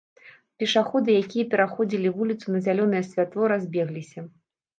Пешаходы, якія пераходзілі вуліцу на зялёнае святло, разбегліся.